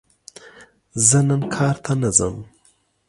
زه نن کار ته نه ځم!